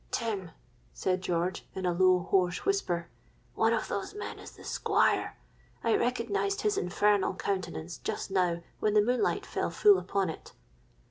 'Tim,' said George, in a low, hoarse whisper, 'one of those men is the Squire. I recognised his infernal countenance just now when the moonlight fell full upon it.'